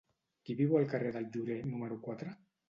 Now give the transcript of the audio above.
Qui viu al carrer del Llorer número quatre?